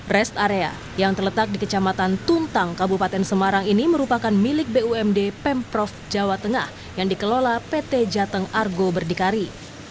rest area yang terletak di kecamatan tuntang kabupaten semarang ini merupakan milik bumd pemprov jawa tengah yang dikelola pt jateng argo berdikari